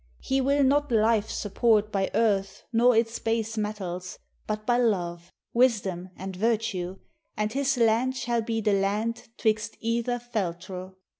He will not life support By earth nor its base metals, but by love, Wisdom, and virtue, and his land shall be The land 'twixt either Feltro.